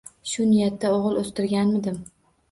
Shu niyatda oʻgʻil oʻstirganmidim?